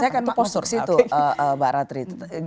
saya akan konstruksi itu mbak ratri